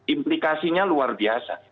implikasinya luar biasa